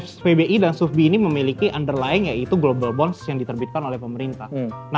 spbi dan sufbi ini memiliki underlying yaitu global bonds yang diterbitkan oleh pemerintah